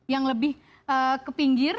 yang lebih ke pinggir